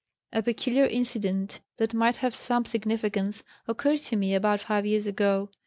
"A peculiar incident that might have some significance occurred to me about five years ago.